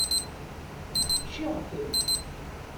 Ččiɣ-ten.